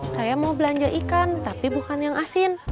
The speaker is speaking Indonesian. saya mau belanja ikan tapi bukan yang asin